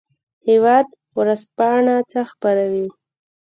هیواد ورځپاڼه څه خپروي؟